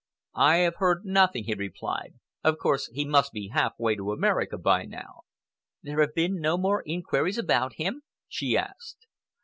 "I have heard nothing," he replied. "Of course, he must be half way to America by now." "There have been no more inquiries about him?" she asked.